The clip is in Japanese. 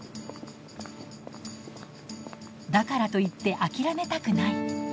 だからといって諦めたくない。